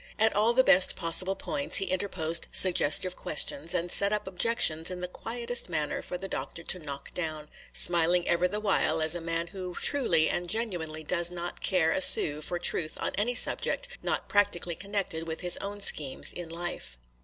At all the best possible points he interposed suggestive questions, and set up objections in the quietest manner for the Doctor to knock down, smiling ever the while as a man may who truly and genuinely does not care a sou for truth on any subject not practically connected with his own schemes in life.